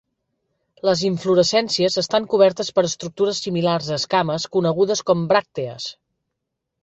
Les inflorescències estan cobertes per estructures similars a escames conegudes com bràctees.